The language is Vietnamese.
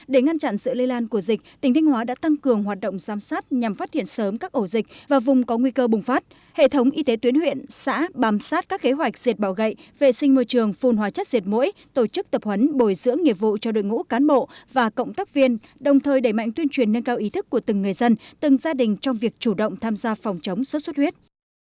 để ngăn chặn sự lây lan của dịch tp thành hóa đã tăng cường hoạt động giam sát nhằm phát hiện sớm các ổ dịch và vùng có nguy cơ bùng phát hệ thống y tế tuyến huyện xã bám sát các kế hoạch diệt bảo gậy vệ sinh môi trường phun hóa chất diệt mũi tổ chức tập huấn bồi dưỡng nghiệp vụ cho đội ngũ cán bộ và cộng tác viên đồng thời đẩy mạnh tuyên truyền nâng cao ý thức của từng người dân từng gia đình trong việc chủ động tham gia phòng chống sốt xuất huyết